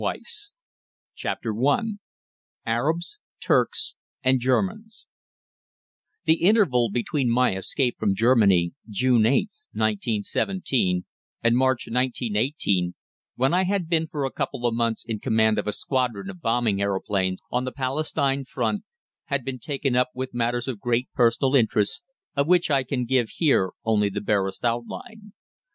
PART II CHAPTER I ARABS, TURKS, AND GERMANS The interval between my escape from Germany, June 8th, 1917 and March 1918, when I had been for a couple of months in command of a squadron of bombing aeroplanes on the Palestine front, had been taken up with matters of great personal interest, of which I can give here only the barest outline.